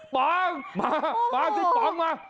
ป๋องมาสิป๋องมา